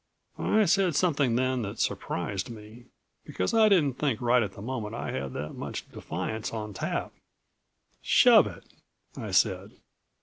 I said something then that surprised me, because I didn't think right at the moment I had that much defiance on tap. "Shove it!" I said.